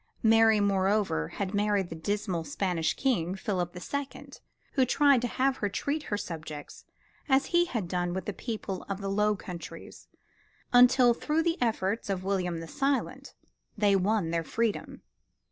Mary, moreover, had married the dismal Spanish King, Philip the Second, who tried to have her treat her subjects as he had done with the people of the Low Countries, until through the efforts of William the Silent, they won their freedom.